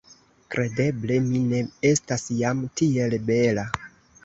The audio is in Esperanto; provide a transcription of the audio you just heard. Kredeble mi ne estas jam tiel bela!